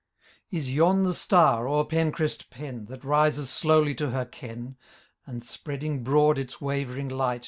Is yon the star, o'er Penchryst Pen, That rises slowly to her ken. And, spreading broad its wavering light.